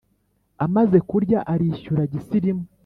amaze kurya arishyura gisirimu